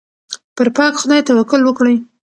پر پاک خدای توکل وکړئ.